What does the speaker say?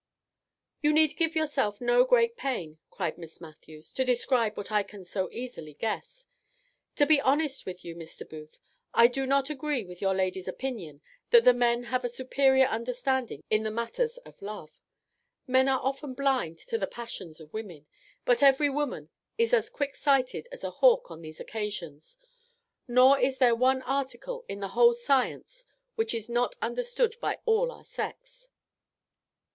"You need give yourself no great pain," cried Miss Matthews, "to describe what I can so easily guess. To be honest with you, Mr. Booth, I do not agree with your lady's opinion that the men have a superior understanding in the matters of love. Men are often blind to the passions of women: but every woman is as quick sighted as a hawk on these occasions; nor is there one article in the whole science which is not understood by all our sex."